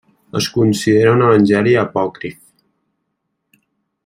Es considera un evangeli apòcrif.